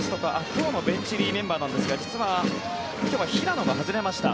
今日のベンチ入りのメンバーなんですが実は平野が外れました。